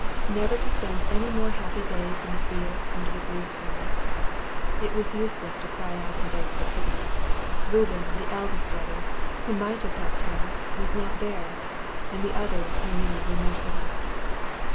never to spend any more happy days in the fields under the blue sky? It was useless to cry out and beg for pity. Reuben, the eldest brother, who might have helped him, was not there, and the others he knew were merciless.